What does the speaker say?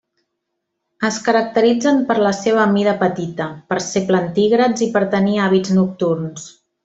Es caracteritzen per la seva mida petita, per ser plantígrads i per tenir hàbits nocturns.